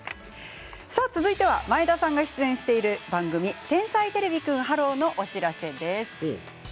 続いては、前田さんが出演している番組「天才てれびくんｈｅｌｌｏ，」のお知らせです。